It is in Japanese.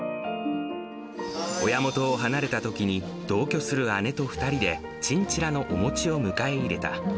親元を離れたときに、同居する姉と２人でチンチラのおもちを迎え入れた。